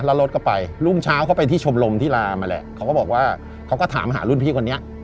แล้วรถก็ไปรุ่งเช้าเขาไปที่ชมรมที่ลามาแหละเขาก็บอกว่าเขาก็ถามหารุ่นพี่คนนี้